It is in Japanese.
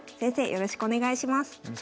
よろしくお願いします。